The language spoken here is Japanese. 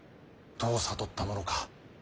どう悟ったものか